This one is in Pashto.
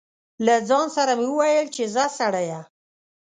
له ځان سره مې و ویل چې ځه سړیه.